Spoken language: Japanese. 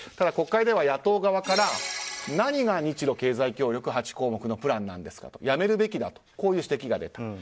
国会では野党側から何が日露経済協力８項目プランなんですかやめるべきだという指摘が出た。